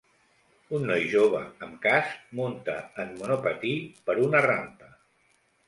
Un noi jove amb casc munta en monopatí per una rampa.